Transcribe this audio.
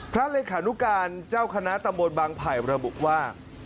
เลขานุการเจ้าคณะตำบลบางไผ่ระบุว่า